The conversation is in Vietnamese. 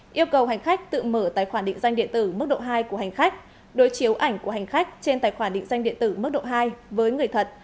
yêu cầu hành khách tự mở tài khoản định danh điện tử mức độ hai của hành khách đối chiếu ảnh của hành khách trên tài khoản định danh điện tử mức độ hai với người thật